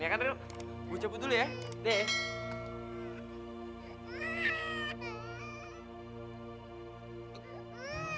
ya kan ril gue cabut dulu ya